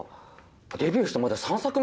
デビューしてまだ３作目っすね。